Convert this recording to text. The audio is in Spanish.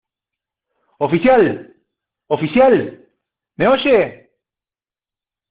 ¡ oficial! ¡ oficial !¿ me oye?